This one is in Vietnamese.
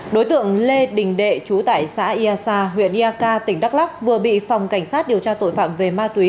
đối tượng lê đình đệ trú tại xã ia sa huyện ia ca tỉnh đắk lắc vừa bị phòng cảnh sát điều tra tội phạm về ma túy